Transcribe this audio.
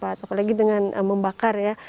mudah sekali cepat apalagi dengan membakar ya